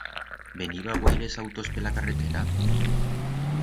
Veniba guaires autos per la carretera?